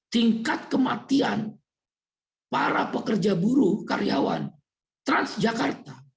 tingkat kematian para pekerja buruh karyawan transjakarta